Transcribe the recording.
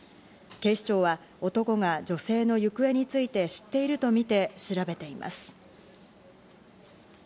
警視庁は男が女性の行方について知っているとみて調べています。